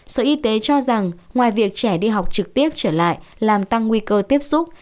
sở y tế cho rằng ngoài việc trẻ đi học trực tiếp trở lại làm tăng nguy cơ tiếp xúc